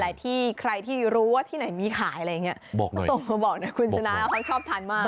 หลายที่ใครที่รู้ว่าที่ไหนมีขายอะไรอย่างเงี้ยส่งมาบอกนะคุณชนะแล้วเขาชอบทานมาก